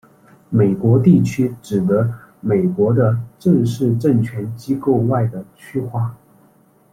美国地区指的美国的正式政权机构外的区划。